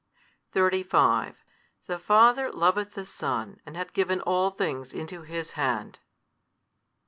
35 The Father loveth the Son and hath given all things into His Hand.